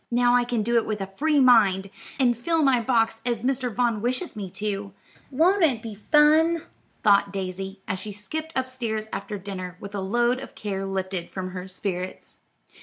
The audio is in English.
"Now I can do it with a free mind, and fill my box as Mr. Vaughn wishes me to. Won't it be fun?" thought Daisy, as she skipped up stairs after dinner, with a load of care lifted from her spirits.